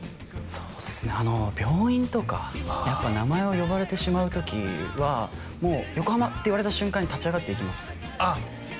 そうですね病院とかやっぱ名前を呼ばれてしまう時はもう「横浜」って言われた瞬間に立ち上がって行きますあっ